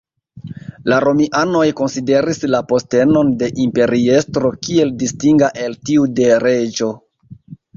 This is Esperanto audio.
La Romianoj konsideris la postenon de imperiestro kiel distinga el tiu de reĝo.